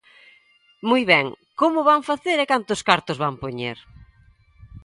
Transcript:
Moi ben ¿Como o van facer e cantos cartos van poñer?